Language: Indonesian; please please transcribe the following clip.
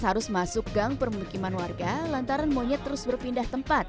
harus masuk gang permukiman warga lantaran monyet terus berpindah tempat